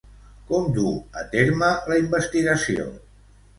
Com duu a terme la investigació?